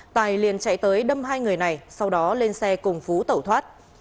tài liền chạy tới đâm hai người này sau đó lên xe cùng phú tẩu thoát